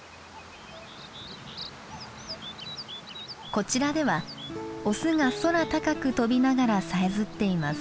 こちらではオスが空高く飛びながらさえずっています。